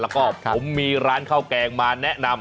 แล้วก็ผมมีร้านข้าวแกงมาแนะนำ